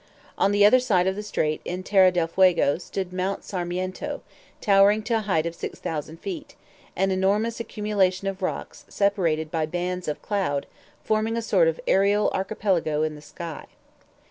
On the other side of the strait, in Terra del Fuego, stood Mount Sarmiento, towering to a height of 6,000 feet, an enormous accumulation of rocks, separated by bands of cloud, forming a sort of aerial archipelago in the sky.